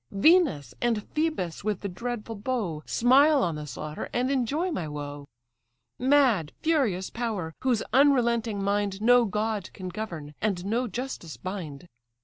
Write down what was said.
Venus, and Phœbus with the dreadful bow, Smile on the slaughter, and enjoy my woe. Mad, furious power! whose unrelenting mind No god can govern, and no justice bind.